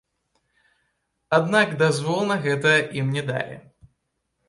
Аднак дазвол на гэта ім не далі.